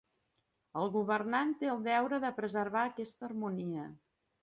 El governant té el deure de preservar aquesta harmonia.